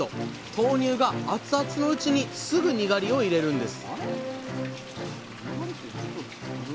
豆乳が熱々のうちにすぐにがりを入れるんです